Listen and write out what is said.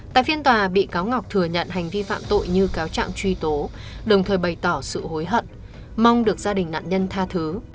tại phiên tòa bị cáo ngọc thừa nhận hành vi phạm tội như cáo trạng truy tố đồng thời bày tỏ sự hối hận mong được gia đình nạn nhân tha thứ